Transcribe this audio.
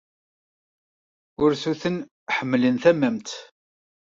Ursuten ḥemmlen tamemt.